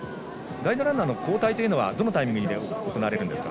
ガイドランナーの交代というのはどのタイミングで行われるんですか？